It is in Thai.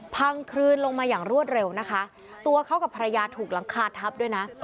คลืนลงมาอย่างรวดเร็วนะคะตัวเขากับภรรยาถูกหลังคาทับด้วยนะ